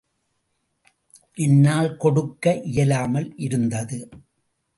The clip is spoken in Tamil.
என்னால் கொடுக்க இயலாமல் இருந்தது.